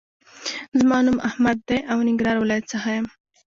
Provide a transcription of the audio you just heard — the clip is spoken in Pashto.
زما نوم احمد دې او ننګرهار ولایت څخه یم